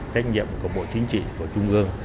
trách nhiệm của bộ chính trị của trung gương